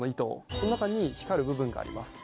その中に光る部分があります。